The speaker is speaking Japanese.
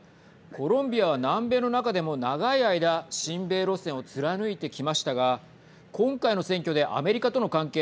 コロンビアは南米の中でも長い間親米路線を貫いてきましたが今回の選挙でアメリカとの関係